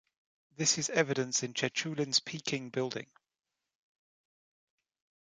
This is evident in Chechulin's "Peking" building.